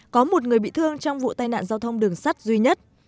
có một người bị thương trong vụ tai nạn giao thông đường sắt duy nhất